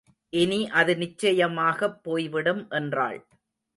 இனி அது நிச்சயமாகப் போய்விடும் என்றாள்.